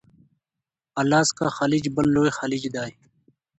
الاسکا خلیج بل لوی خلیج دی.